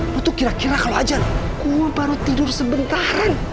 lo tuh kira kira kalau ajar gue baru tidur sebentaran